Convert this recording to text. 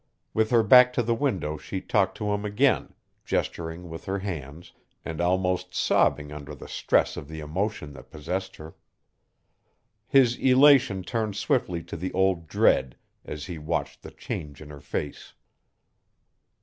With her back to the window she talked to him again, gesturing with her hands, and almost sobbing under the stress of the emotion that possessed her. His elation turned swiftly to the old dread as he watched the change in her face.